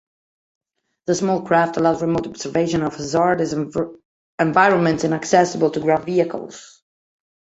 The small craft allows remote observation of hazardous environments inaccessible to ground vehicles.